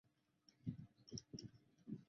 最常见的文笔峰还是文峰塔。